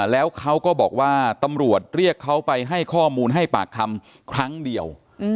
แล้วเขาก็บอกว่าตำรวจเรียกเขาไปให้ข้อมูลให้ปากคำครั้งเดียว